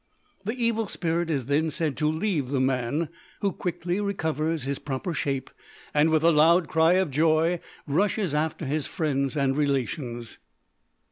The evil spirit is then said to leave the man, who quickly recovers his proper shape, and with a loud cry of joy rushes after his friends and relations.